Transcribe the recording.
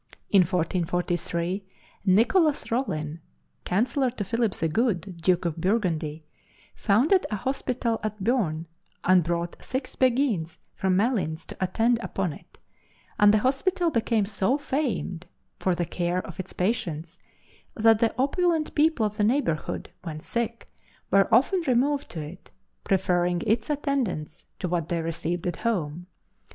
In 1443 Nicholas Rollin, Chancellor to Philip the Good, Duke of Burgundy, founded a hospital at Beaune and brought six Beguines from Malines to attend upon it, and the hospital became so famed for the care of its patients that the opulent people of the neighborhood, when sick, were often removed to it, preferring its attendance to what they received at home.